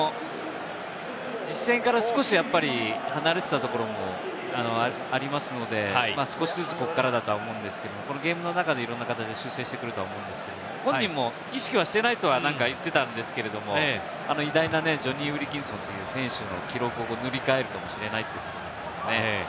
実戦から少し離れていたところもありますので、少しずつ、ここからだと思うんですけれども、ゲームの中でいろんな形で修正してくると思い、本人も意識はしてないと言っていたんですけれど、偉大なジョニー・ウィルキンソンという選手の記録を塗り替えるかもしれないというところですね。